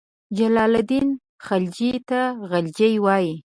جلال الدین خلجي ته غلجي وایي.